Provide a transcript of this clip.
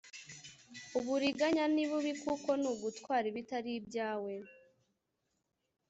uburiganya ni bubi kuko nugutwara ibitari byawe